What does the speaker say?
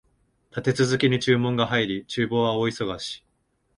立て続けに注文が入り、厨房は大忙し